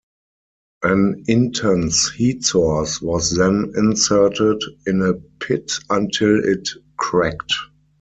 An intense heat source was then inserted in a pit until it cracked.